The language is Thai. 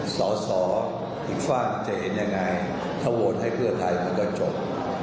สอสออีกฝากจะเห็นยังไงถ้าโหวตให้เพื่อไทยมันก็จบ